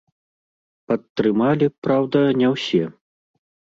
Падтрымалі, праўда, не ўсе.